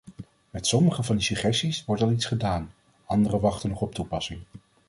Met sommige van die suggesties wordt al iets gedaan, andere wachten nog op toepassing.